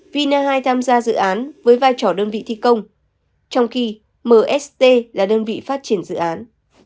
vina hai tham gia dự án với vai trò đơn vị thi công trong khi mst là đơn vị phát triển dự án